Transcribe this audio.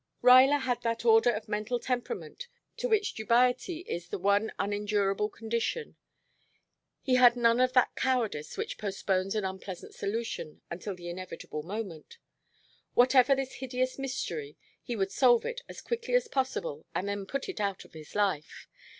Ruyler had that order of mental temperament to which dubiety is the one unendurable condition; he had none of that cowardice which postpones an unpleasant solution until the inevitable moment. Whatever this hideous mystery he would solve it as quickly as possible and then put it out of his life.